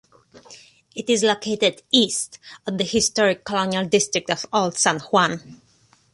It is located east of the historic colonial district of Old San Juan.